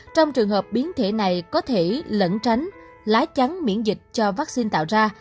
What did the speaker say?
trong trường hợp biến thể này có thể lẫn tránh lá chắn miễn dịch cho vaccine tạo ra